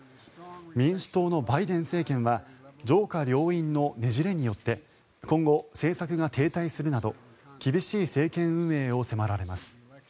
民主党のバイデン政権は上下両院のねじれによって今後、政策が停滞するなど厳しい政権運営を迫られます。